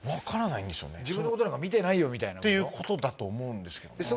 「自分のことなんか見てないよ」みたいな。っていうことだと思うんですけど。